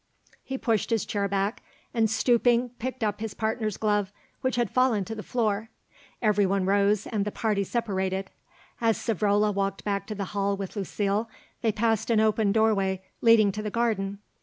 He pushed his chair back, and, stooping, picked up his partner's glove, which had fallen to the floor. Everyone rose, and the party separated. As Savrola walked back to the hall with Lucile, they passed an open doorway leading to the garden.